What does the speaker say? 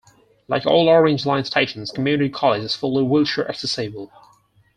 Like all Orange Line stations, Community College is fully wheelchair accessible.